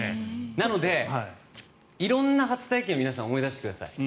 なので、色んな初体験を皆さん思い出してください。